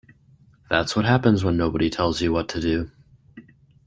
That's what happens when nobody tells you what to do.